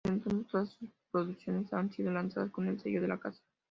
Desde entonces, todas sus producciones han sido lanzadas con el sello de la casa.